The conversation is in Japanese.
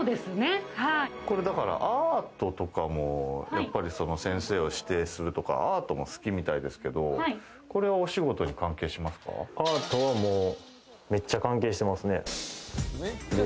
アートとかも先生を指定するとかアートも好きみたいですけど、これはお仕事にアートはめっちゃ関係してますね。